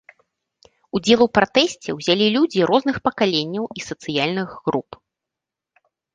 Удзел у пратэсце ўзялі людзі розных пакаленняў і сацыяльных груп.